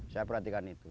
saya perhatikan itu